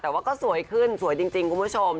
แต่ว่าก็สวยขึ้นสวยจริงคุณผู้ชม